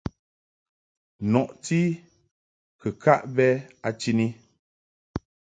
Nɔti kɨkaʼ bɛ a chini.